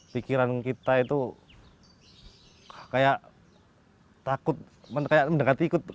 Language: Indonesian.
pikiran kita itu kayak takut kayak mendekati ikut